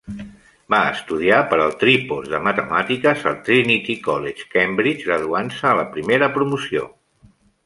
Va estudiar per al tripos de matemàtiques al Trinity College, Cambridge, graduant-se a la primera promoció.